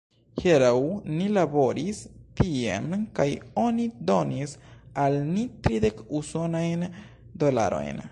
Hieraŭ ni laboris tien kaj oni donis al ni tridek usonajn dolarojn.